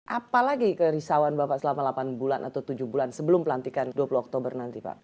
apalagi kerisauan bapak selama delapan bulan atau tujuh bulan sebelum pelantikan dua puluh oktober nanti pak